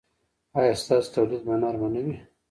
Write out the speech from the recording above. ایا ستاسو تولیه به نرمه نه وي؟